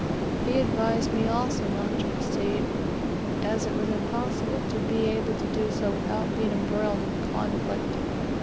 He advised me also not to proceed, as it was impossible to be able to do so without being embroiled in the conflict.